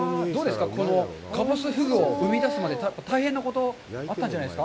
かぼすフグを生み出すまで大変なことあったんじゃないですか。